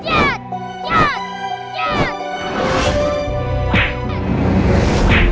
aku sudah terang berang